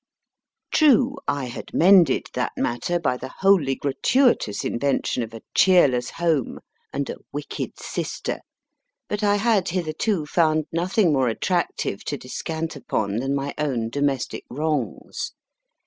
True, I had mended that matter by the wholly gratuitous invention of a cheerless home and a wicked sister, but I had hitherto found nothing more attractive to descant upon than my own domestic wrongs.